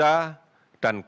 dan kami akan menjaga